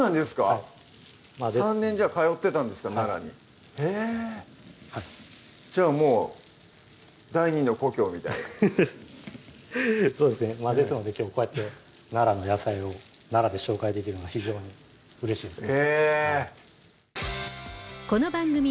はい３年じゃあ通ってたんですか奈良にへぇじゃあもう第二の故郷みたいなフフッそうですねですのできょうこうやって奈良の野菜を奈良で紹介できるのが非常にうれしいですね